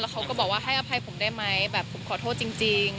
เขาก็บอกว่าให้อภัยผมได้ไหมแบบผมขอโทษจริง